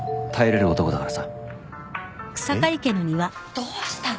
どうしたの？